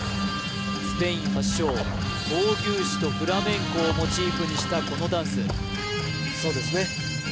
スペイン発祥闘牛士とフラメンコをモチーフにしたこのダンスそうですね